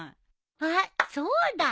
あっそうだ。